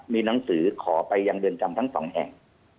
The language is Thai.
มีหนังสือขอไปยังเรือนจำทั้งสองแห่ง